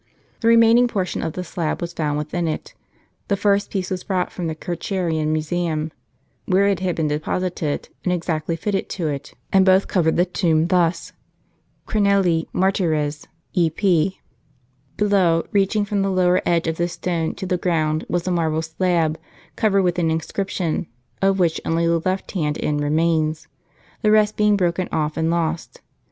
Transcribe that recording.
The remaining portion of the slab was found within it ; the first piece was brought from the Kircherian Museum, where it had been deposited, and exactly fitted to it ; and both covered the tomb, thus: t Below, reaching from the lower edge of this stone to the ground was a marble slab covered with an inscription, of which only the left hand end remains, the rest being broken off and lost.